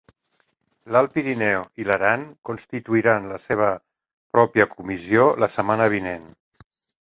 L'Alt Pirineu i l'Aran constituiran la seva pròpia comissió la setmana vinent.